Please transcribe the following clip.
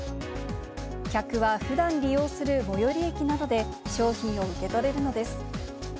客はふだん利用する最寄り駅などで商品を受け取れるのです。